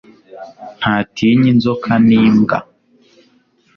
ntatinya inzoka ni mbwa